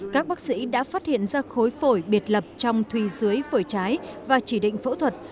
các bác sĩ đã phát hiện ra khối phổi biệt lập trong thùy dưới phổi trái và chỉ định phẫu thuật